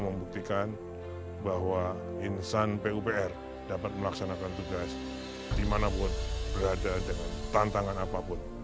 membuktikan bahwa insan pupr dapat melaksanakan tugas dimanapun berada dengan tantangan apapun